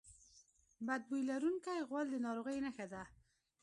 بد بوی لرونکی غول د ناروغۍ نښه ده.